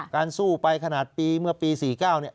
สู้ไปขนาดปีเมื่อปี๔๙เนี่ย